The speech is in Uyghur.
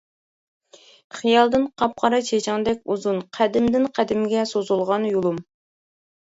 خىيالدىن قاپقارا چېچىڭدەك ئۇزۇن، قەدىمدىن قەدىمگە سوزۇلغان يولۇم.